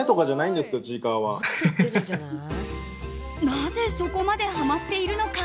なぜそこまでハマっているのか。